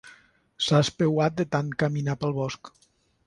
S'ha espeuat de tant caminar pel bosc.